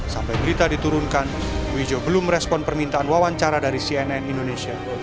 sampai berita diturunkan wijo belum merespon permintaan wawancara dari cnn indonesia